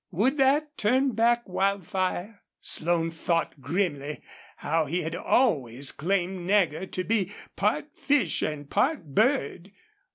Would that turn back Wildfire? Slone thought grimly how he had always claimed Nagger to be part fish and part bird.